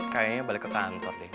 kayaknya balik ke kantor deh